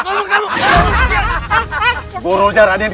kanapal universer atau alam chemtari